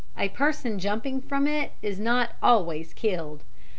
A person jumping from it is not always killed.